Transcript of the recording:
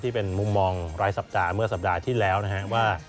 ที่เป็นมุมมองรายสัปดาห์เมื่อสัปดาห์ที่แล้วนะครับว่า